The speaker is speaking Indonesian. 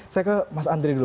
saya ke mas andri dulu